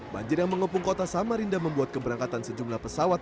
banjir yang mengepung kota samarinda membuat keberangkatan sejumlah pesawat